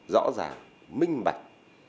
rõ ràng minh bạch